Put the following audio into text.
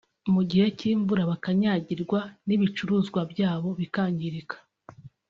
mu gihe cy’imvura bakanyagirwa n’ibicuruzwa byabo bikangirika